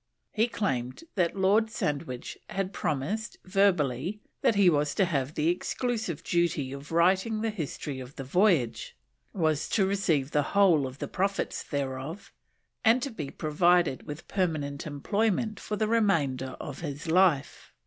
He claimed that Lord Sandwich had promised, verbally, that he was to have the exclusive duty of writing the History of the Voyage, was to receive the whole of the profits thereof, and to be provided with permanent employment for the remainder of his life.